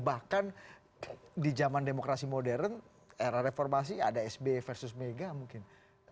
bahkan di zaman demokrasi modern era reformasi ada sby versus mega mungkin